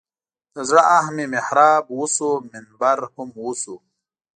د زړه آه مې محراب وسو منبر هم وسو.